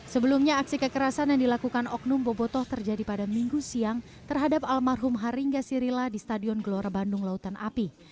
sebelumnya aksi kekerasan yang dilakukan oknum bobotoh terjadi pada minggu siang terhadap almarhum haringa sirila di stadion gelora bandung lautan api